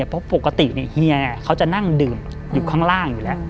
เพราะปกติเฮียเขาจะนั่งดื่มอยู่ข้างล่างอยู่แล้ว